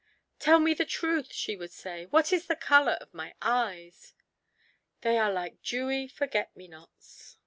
"Tell me the truth," she would say; "what is the color of my eyes?" "They are like dewy forget me nots."